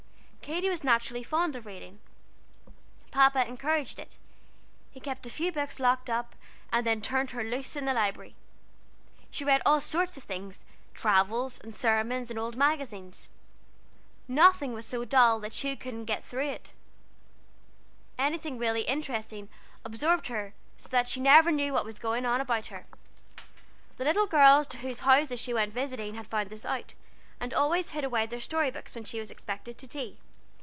Katy was naturally fond of reading. Papa encouraged it. He kept a few books locked up, and then turned her loose in the Library. She read all sorts of things: travels, and sermons, and old magazines. Nothing was so dull that she couldn't get through with it. Anything really interesting absorbed her so that she never knew what was going on about her. The little girls to whose houses she went visiting had found this out, and always hid away their story books when she was expected to tea.